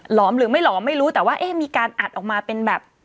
อมหรือไม่หลอมไม่รู้แต่ว่าเอ๊ะมีการอัดออกมาเป็นแบบ